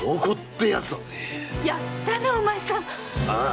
やったねお前さん！ああ！